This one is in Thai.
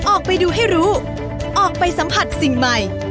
ออกไปดูให้รู้ออกไปสัมผัสสิ่งใหม่